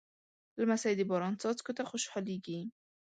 لمسی د باران څاڅکو ته خوشحالېږي.